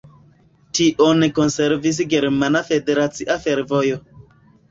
Tion konservis Germana Federacia Fervojo.